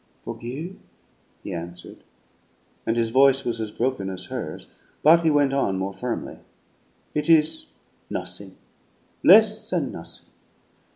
"Forgive?" he answered, and his voice was as broken as hers; but he went on, more firmly: "It is nothing less than nothing.